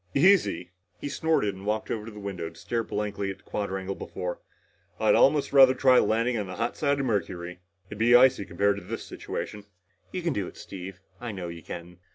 "Easy!" He snorted and walked over to the window to stare blankly at the quadrangle below. "I'd almost rather try a landing on the hot side of Mercury. It would be icy compared to this situation!" "You can do it, Steve. I know you can."